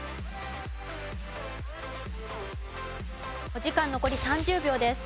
お時間残り３０秒です。